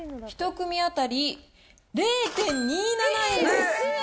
１組当たり０．２７円です。